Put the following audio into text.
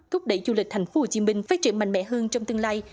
thúc đẩy du lịch thành phố hồ chí minh phát triển mạnh mẽ hơn trong tương lai